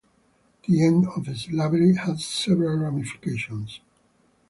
The end of slavery had several ramifications.